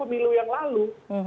berdasarkan pemilu yang lalu